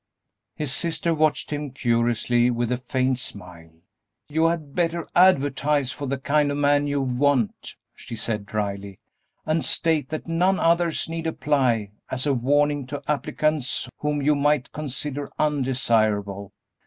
His sister watched him curiously with a faint smile. "You had better advertise for the kind of man you want," she said, dryly, "and state that 'none others need apply,' as a warning to applicants whom you might consider undesirable."